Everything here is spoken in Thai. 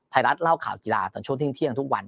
ไทยรัฐเล่าข่าวกีฬาตอนช่วงที่เที่ยงทุกวัน